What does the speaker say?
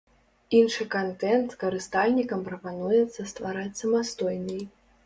Іншы кантэнт карыстальнікам прапануецца ствараць самастойнай.